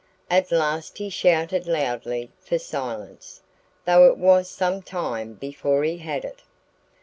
At last he shouted loudly for silence, though it was some time before he had it.